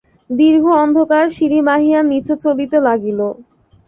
দীর্ঘ অন্ধকার সিঁড়ি বাহিয়া নীচে চলিতে লাগিল।